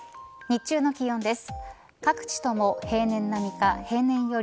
日中の気温です。